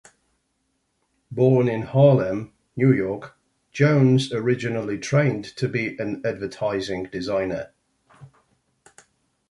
Born in Harlem, New York, Jones originally trained to be an advertising designer.